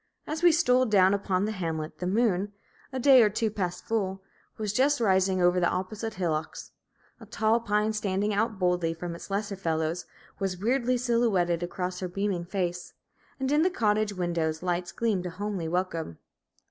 As we stole down upon the hamlet, the moon, a day or two past full, was just rising over the opposite hillocks; a tall pine standing out boldly from its lesser fellows, was weirdly silhouetted across her beaming face, and in the cottage windows lights gleamed a homely welcome.